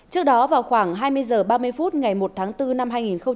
trước đó vào khoảng hai mươi h ba mươi phút ngày một tháng bốn năm hai nghìn hai mươi